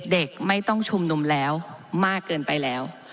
เด็กไม่ต้องชุมนุมแล้วมากเกินไปแล้ว